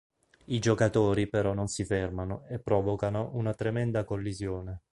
I giocatori però non si fermano e provocano una tremenda collisione.